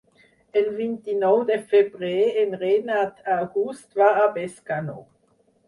El vint-i-nou de febrer en Renat August va a Bescanó.